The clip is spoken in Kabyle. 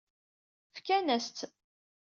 Fkan-asen-tt.